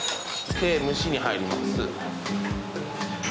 で蒸しに入ります。